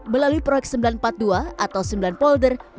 melalui proyek sembilan ratus empat puluh dua atau sembilan polder